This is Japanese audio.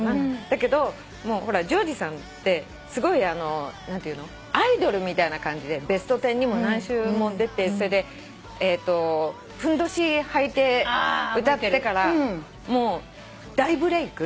だけど譲二さんってすごいアイドルみたいな感じで『ベストテン』にも何週も出てそれでふんどしはいて歌ってからもう大ブレーク。